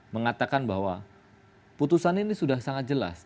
mengatakan bahwa putusan ini sudah sangat jelas